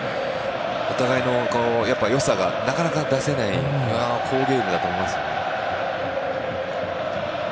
お互いの良さがなかなか出せない好ゲームだと思います。